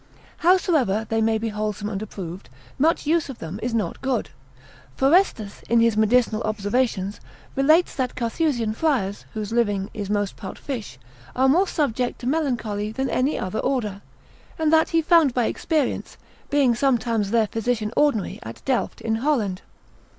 Howsoever they may be wholesome and approved, much use of them is not good; P. Forestus, in his medicinal observations, relates, that Carthusian friars, whose living is most part fish, are more subject to melancholy than any other order, and that he found by experience, being sometimes their physician ordinary at Delft, in Holland.